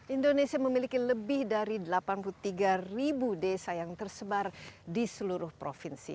indonesia memiliki lebih dari delapan puluh tiga desa yang tersebar di seluruh provinsi